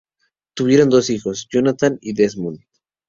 Tuvieron dos hijos, Jonathan y Desmond.